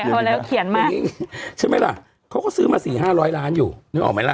พอแล้วเขียนมานี่ใช่ไหมล่ะเขาก็ซื้อมาสี่ห้าร้อยล้านอยู่นึกออกไหมล่ะ